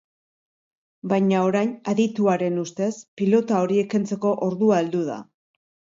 Baina orain, adituaren ustez, pilota horiek kentzeko ordua heldu da.